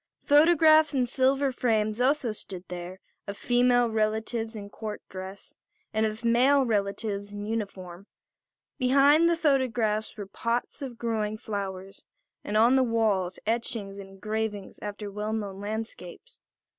Photographs in silver frames also stood there, of female relatives in court dress and of male relatives in uniform. Behind the photographs were pots of growing flowers; and on the walls etchings and engravings after well known landscapes.